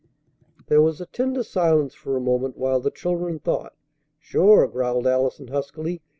There was a tender silence for a moment while the children thought. "Sure!" growled Allison huskily.